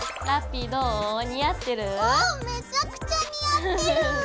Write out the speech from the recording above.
めちゃくちゃ似合ってる！